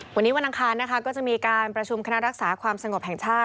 วันนี้วันอังคารนะคะก็จะมีการประชุมคณะรักษาความสงบแห่งชาติ